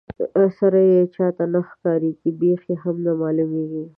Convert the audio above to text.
سر یې چاته نه ښکاريږي بېخ یې هم نه معلومیږي.